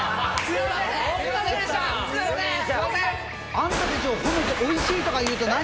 あんた達を褒めて「おいしい」とか言うと何？